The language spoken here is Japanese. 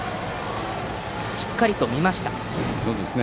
しっかりと見ました。